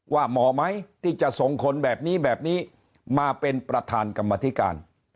เหมาะไหมที่จะส่งคนแบบนี้แบบนี้มาเป็นประธานกรรมธิการ